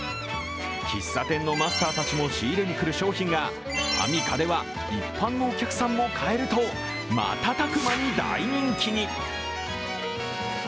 喫茶店のマスターたちも仕入れに来る商品が、アミカでは一般のお客さんも買えると瞬く間に大人気に。